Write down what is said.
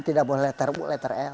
tidak boleh teruk